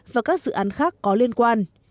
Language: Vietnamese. và các dự án khác có liên quan